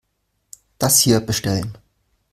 Das hier bestellen.